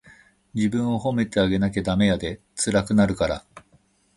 自分を褒めてあげなダメやで、つらくなるから。